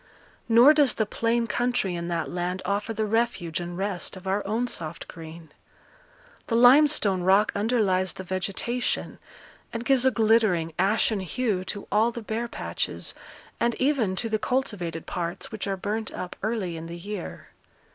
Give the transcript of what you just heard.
Nor does the plain country in that land offer the refuge and rest of our own soft green. The limestone rock underlies the vegetation, and gives a glittering, ashen hue to all the bare patches, and even to the cultivated parts which are burnt up early in the year.